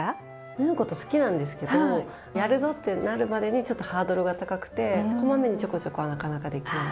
縫うこと好きなんですけどやるぞってなるまでにちょっとハードルが高くて小まめにちょこちょこはなかなかできない。